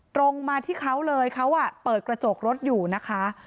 ตรงมาที่เขาเลยเขาเปิดกระจกรถอยู่นะคะ